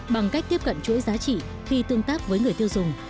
bằng cách tiếp cận chuỗi giá trị khi tương tác với người tiêu dùng